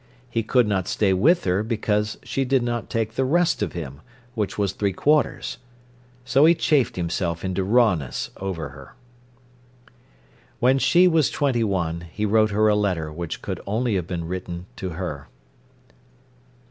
He could not stay with her because she did not take the rest of him, which was three quarters. So he chafed himself into rawness over her. When she was twenty one he wrote her a letter which could only have been written to her.